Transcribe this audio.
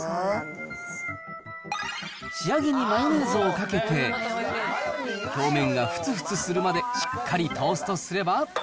仕上げにマヨネーズをかけて、表面がふつふつするまでしっかりトーストすれば。